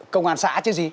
công an xã chứ gì